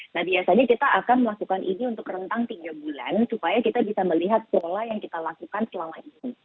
nah biasanya kita akan melakukan ini untuk rentang tiga bulan supaya kita bisa melihat pola yang kita lakukan selama ini